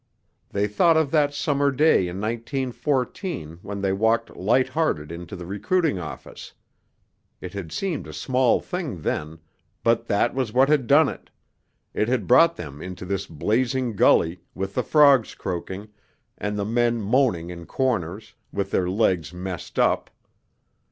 They thought of that summer day in 1914 when they walked light hearted into the recruiting office. It had seemed a small thing then, but that was what had done it; had brought them into this blazing gully, with the frogs croaking, and the men moaning in corners with their legs messed up....